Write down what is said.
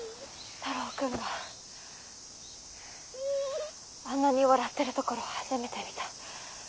太郎君があんなに笑ってるところ初めて見た。